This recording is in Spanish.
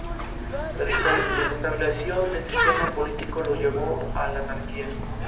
La desestabilización del sistema político los llevó a la anarquía.